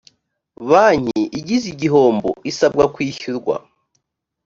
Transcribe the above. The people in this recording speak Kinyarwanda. banki igize igihombo isabwa kwishyurwa